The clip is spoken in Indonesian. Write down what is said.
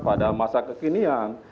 pada masa kekinian